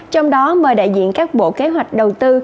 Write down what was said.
trong đó mời đại diện các bộ kế hoạch đầu tư